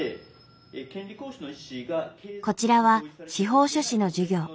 こちらは司法書士の授業。